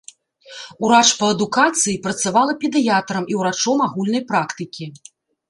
Урач па адукацыі, працавала педыятрам і ўрачом агульнай практыкі.